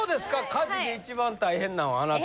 家事で一番大変なんはあなた。